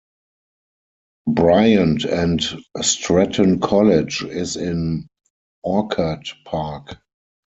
Bryant and Stratton College is in Orchard Park.